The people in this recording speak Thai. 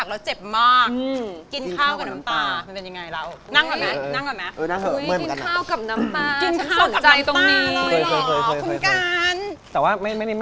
เราเป็นนักแสดง